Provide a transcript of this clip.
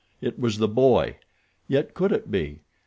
It was the boy, yet could it be?